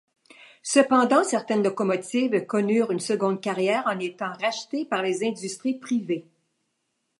Cependant certaines locomotives connurent une seconde carrière en étant rachetées par les industries privées.